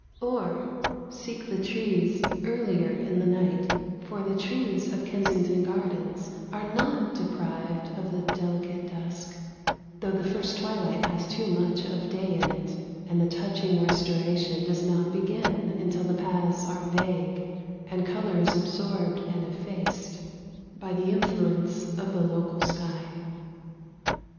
Or seek the trees earlier in the night; for the trees of Kensington Gardens are not deprived of the delicate dusk, though the first twilight has too much of day in it, and the touching restoration does not begin until the paths are vague and colour is absorbed and effaced by the influence of the local sky.